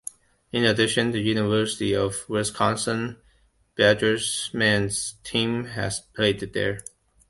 In addition, the University of Wisconsin Badgers men's team has played there.